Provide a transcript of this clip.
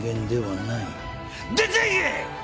出ていけ！